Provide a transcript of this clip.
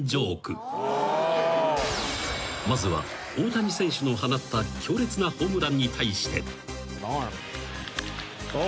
［まずは大谷選手の放った強烈なホームランに対して］